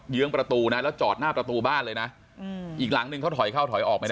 ื้องประตูนะแล้วจอดหน้าประตูบ้านเลยนะอีกหลังนึงเขาถอยเข้าถอยออกไม่ได้